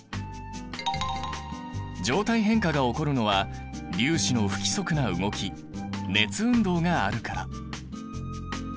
状態変化が起こるのは粒子の不規則な動き熱運動があるから。